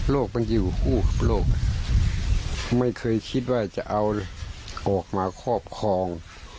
โลกมันอยู่โลกไม่เคยคิดว่าจะเอาออกมาครอบครอง